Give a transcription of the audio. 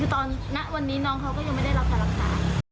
คือตอนณวันนี้น้องเขาก็ยังไม่ได้รับการรักษา